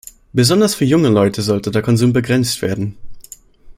Besonders für junge Leute sollte der Konsum begrenzt werden.